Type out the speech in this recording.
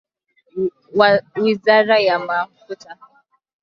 Wizara ya Mafuta.